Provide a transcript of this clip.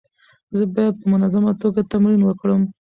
زه باید په منظمه توګه تمرین وکړم.